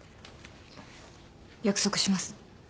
約束します。